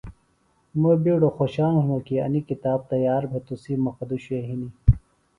مہ بیڈوۡ خوشان ہنوۡ کیۡ انیۡ کتاب تیار بھے تُسی مخدُشی وے ہِنیۡ۔